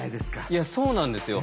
いやそうなんですよ。